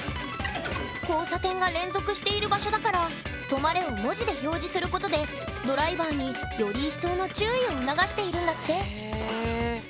交差点が連続している場所だから「止マレ」を文字で表示することでドライバーにより一層の注意を促しているんだって。